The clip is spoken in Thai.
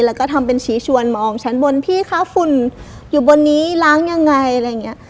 แล้วก็ทำเป็นชี้ชวนมองชั้นบนพี่คะฝุ่นอยู่บนนี้ล้างยังไงอะไรอย่างเงี้ย